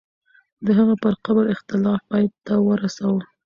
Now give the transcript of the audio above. د هغې پر قبر اختلاف پای ته ورسوه.